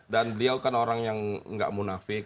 dan dia kan orang yang nggak munasabah